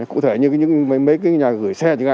cụ thể như mấy nhà gửi xe chứ ạ